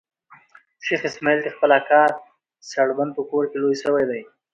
شېخ اسماعیل د خپل اکا سړبن په کور کښي لوی سوی دئ.